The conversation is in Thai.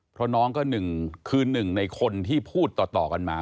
เพราะน้องก็หนึ่งคือหนึ่งในคนที่พูดต่อกันมา